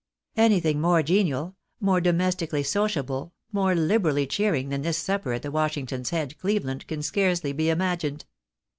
Anything more genial, more domestically sociable, more hberally cheering than this supper at the Washing ton's Head, Cleveland, can scarcely be imagined.